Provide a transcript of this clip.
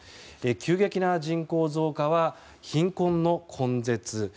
急激な人口増加は、貧困の根絶